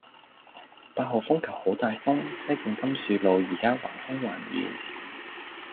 八號風球好大風，西貢甘澍路依家橫風橫雨